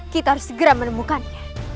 kita harus segera menemukannya